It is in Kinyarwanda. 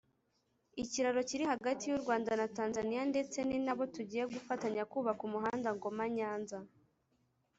ikiraro kiri hagati y’u Rwanda na Tanzaniya ndetse ni na bo tugiye gufatanya kubaka umuhanda Ngoma-Nyanza